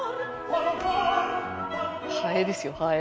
ハエですよハエ。